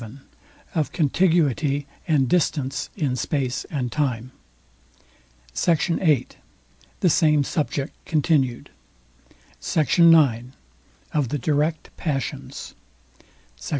VII OF CONTIGUITY AND DISTANCE IN SPACE AND TIME SECT. VIII THE SAME SUBJECT CONTINUED SECT. IX OF THE DIRECT PASSIONS SECT.